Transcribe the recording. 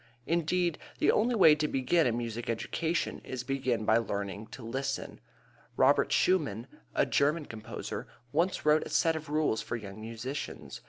Indeed, the only way to begin a music education is to begin by learning to listen. Robert Schumann, a German composer, once wrote a set of rules for young musicians.